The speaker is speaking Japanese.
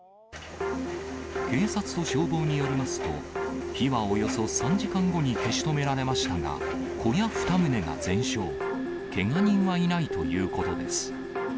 警察と消防によりますと、火はおよそ３時間後に消し止められましたが、小屋２棟が全焼、けが人はいないということです。